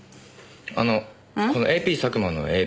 あのこのＡＰ佐久間のＡＰって？